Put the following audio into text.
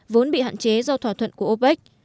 vốn bị hạn chế do thỏa thuận của opec